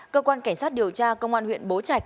cơ quan cảnh sát điều tra công an huyện bố trạch